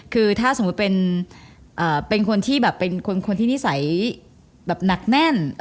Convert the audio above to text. คือถ้าสมมุติเป็นคนที่นิสัยแบบหนักแน่น